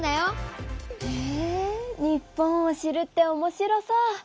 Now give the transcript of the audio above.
へえ日本を知るっておもしろそう。